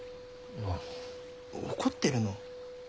怒ってるの？